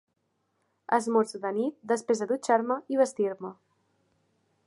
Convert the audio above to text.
Esmorzo de nit, després de dutxar-me i vestir-me.